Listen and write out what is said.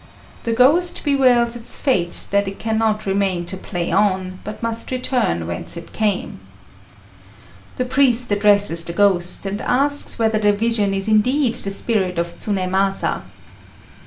The ghost bewails its fate that it cannot remain to play on, but must return whence it came. The priest addresses the ghost, and asks whether the vision is indeed the spirit of Tsunémasa.